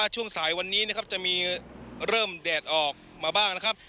ตอนนี้นะครับจะมีเริ่มแดดออกมาบ้างนะครับ